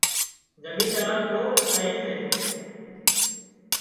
زمينۮار ڪوڪ سئي سي